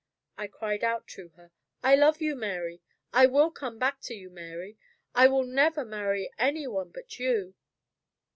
I cried out to her, "I love you, Mary! I will come back to you, Mary! I will never marry any one but you!"